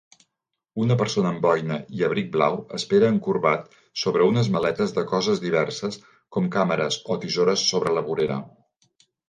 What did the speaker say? Una persona amb boina i abric blau espera encorbat sobre unes maletes de coses diverses com càmeres o tisores sobre la vorera